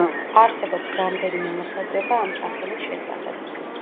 არსებობს რამდენიმე მოსაზრება ამ სახელის შესახებ.